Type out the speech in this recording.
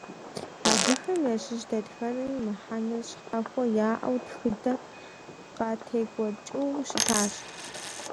Абыхэм ящыщ дэтхэнэми мыхьэнэ щхьэхуэ яӀэу, тхыдэ къадекӀуэкӀыу щытщ.